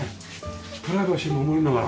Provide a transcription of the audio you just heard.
プライバシー守りながら。